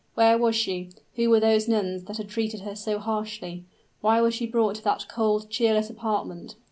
Where was she? who were those nuns that had treated her so harshly? why was she brought to that cold, cheerless apartment?